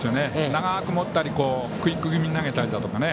長く持ったり、クイック気味に投げたりだとかね。